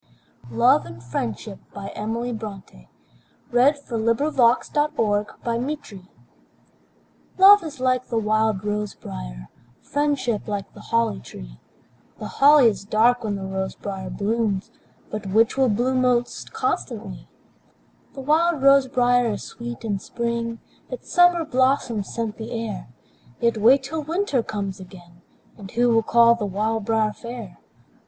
though soon life's tale is told; Who once lives, never dies!" LOVE AND FRIENDSHIP. Love is like the wild rose briar; Friendship like the holly tree. The holly is dark when the rose briar blooms, But which will bloom most constantly? The wild rose briar is sweet in spring, Its summer blossoms scent the air; Yet wait till winter comes again, And who will call the wild briar fair?